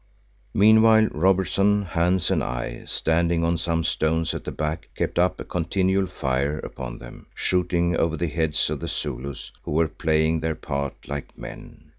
Meanwhile Robertson, Hans and I, standing on some stones at the back, kept up a continual fire upon them, shooting over the heads of the Zulus, who were playing their part like men.